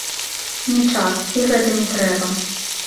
Не час, і гэта не трэба.